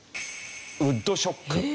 ウッドショック。